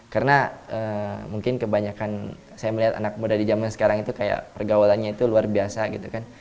karena mungkin kebanyakan saya melihat anak muda di zaman sekarang itu kayak pergaulannya itu luar biasa gitu kan